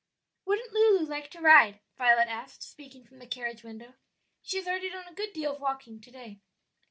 "Wouldn't Lulu like to ride?" Violet asked, speaking from the carriage window; "she has already done a good deal of walking to day."